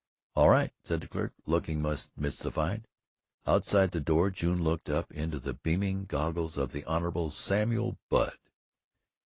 "All right," said the clerk looking much mystified. Outside the door, June looked up into the beaming goggles of the Hon. Samuel Budd.